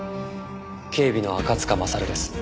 警備の赤塚勝です。